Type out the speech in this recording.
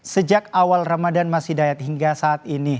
sejak awal ramadan masih dayat hingga saat ini